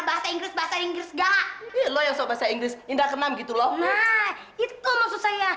bahasa inggris bahasa inggris gak lo yang sobat saya inggris indra ke enam gitu loh itu maksud saya